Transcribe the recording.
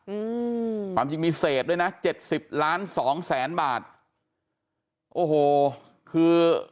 อืมความจริงมีเศษด้วยนะเจ็ดสิบล้านสองแสนบาทโอ้โหคือ